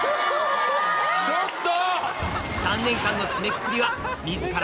ちょっと！